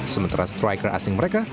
sementara striker asing mereka